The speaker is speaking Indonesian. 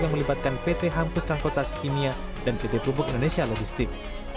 yang melibatkan pt hamus transportasi kimia dan pt pupuk indonesia logistik